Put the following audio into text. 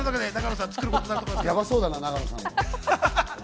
ヤバそうだな、永野さん。